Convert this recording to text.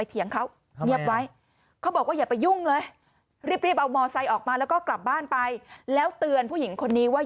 เถียงเขาเงียบไว้เขาบอกว่าอย่าไปยุ่งเลยรีบเอามอไซค์ออกมาแล้วก็กลับบ้านไปแล้วเตือนผู้หญิงคนนี้ว่า